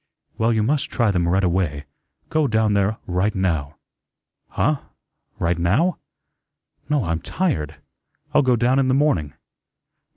"Well, you must try them right away. Go down there right now." "Huh? Right now? No, I'm tired. I'll go down in the morning."